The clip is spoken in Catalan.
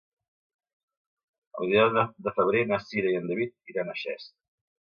El vint-i-nou de febrer na Cira i en David iran a Xest.